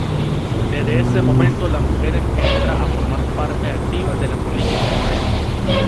Desde ese momento la mujer entra a formar parte activa de la política hondureña.